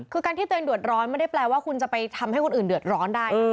คือการที่ตัวเองเดือดร้อนไม่ได้แปลว่าคุณจะไปทำให้คนอื่นเดือดร้อนได้นะ